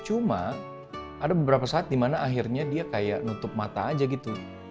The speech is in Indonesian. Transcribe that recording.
cuma ada beberapa saat dimana akhirnya dia kayak nutup mata aja gitu